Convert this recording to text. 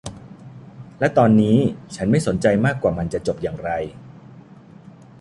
และตอนนี้ฉันไม่สนใจมากว่ามันจะจบอย่างไร